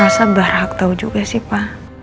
elsa berharap tau juga sih pak